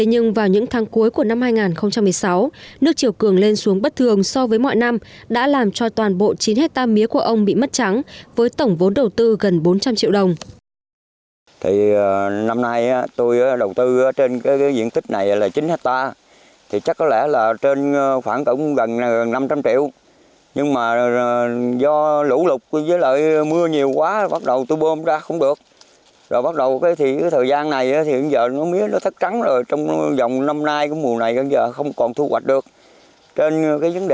nhưng vào những tháng cuối của năm hai nghìn một mươi sáu nước chiều cường lên xuống bất thường so với mọi năm đã làm cho toàn bộ chín hectare mía của ông bị mất trắng với tổng vốn đầu tư gần bốn trăm linh triệu đồng